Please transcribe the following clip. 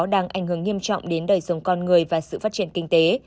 đang ảnh hưởng nghiêm trọng đến đời sống con người và sự phát triển kinh tế